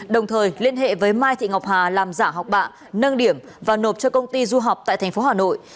đồng thời liên hệ với mai thị ngọc hà làm giả học bạ nâng điểm và nộp cho công ty du học tại tp hà nội